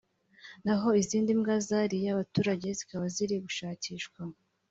naho izindi mbwa zariye abaturage zikaba ziri gushakishwa